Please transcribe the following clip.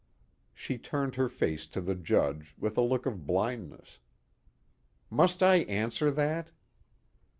She turned her face to the Judge with a look of blindness. "Must I answer that?"